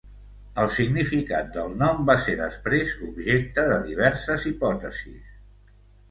El significat del nom va ser després objecte de diverses hipòtesis.